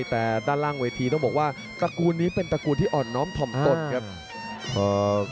แต่ด้านล่างเวทีต้องบอกว่าตระกูลนี้เป็นตระกูลที่อ่อนน้อมถ่อมตนครับ